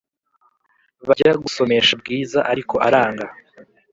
bajya gusomesha bwiza ariko aranga